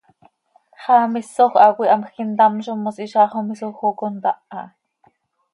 ¿Xaa misoj haa cöihamjc intamzo mos, hizaax oo misoj oo contáh aha?